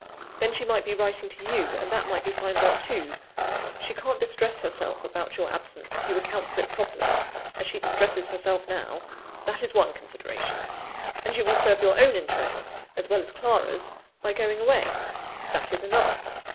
Then she might be writing to you, and that might be found out, too. She can't distress herself about your absence, if you account for it properly, as she distresses herself now that is one consideration. And you will serve your own interests, as well as Clara's, by going away that is another."